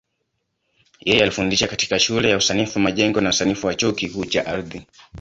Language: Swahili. Yeye alifundisha katika Shule ya Usanifu Majengo na Usanifu wa Chuo Kikuu cha Ardhi.